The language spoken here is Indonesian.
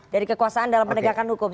dari kekuasaan dalam penegakan hukum